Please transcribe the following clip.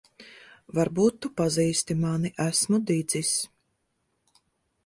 Varbūt tu pazīsti mani. Esmu Didzis.